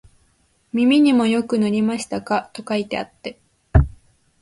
耳にもよく塗りましたか、と書いてあって、